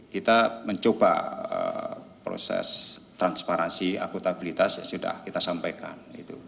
kita mencoba proses transparansi akutabilitas sudah kita sampaikan